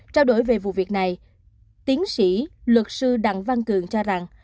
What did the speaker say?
trao đổi về vụ việc này tiến sĩ luật sư đặng văn cường cho rằng